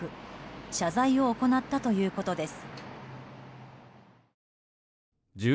謝罪を行ったということです。